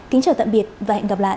kính chào tạm biệt và hẹn gặp lại